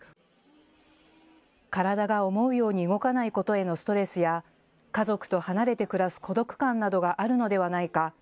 体が思うように動かないことへのストレスや家族と離れて暮らす孤独感などがあるのではないか。